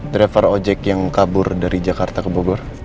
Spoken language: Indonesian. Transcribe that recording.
driver ojek yang kabur dari jakarta ke bogor